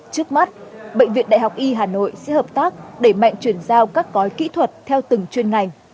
trước mắt bệnh viện đại học y hà nội sẽ hợp tác đẩy mạnh chuyển giao các gói kỹ thuật theo từng chuyên ngành